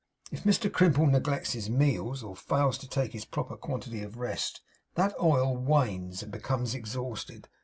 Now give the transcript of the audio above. If Mr Crimple neglects his meals, or fails to take his proper quantity of rest, that oil wanes, and becomes exhausted.